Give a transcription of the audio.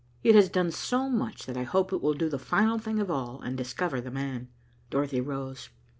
"It has done so much, that I hope it will do the final thing of all, and discover 'the man.'" Dorothy rose.